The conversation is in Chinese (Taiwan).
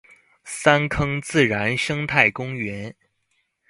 三坑自然生態公園